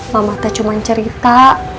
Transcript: mama teh cuman cerita